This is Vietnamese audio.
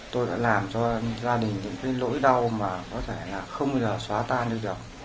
tôi đã làm cho gia đình những cái lỗi đau mà có thể là không bao giờ xóa tan được được